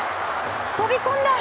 飛び込んだ！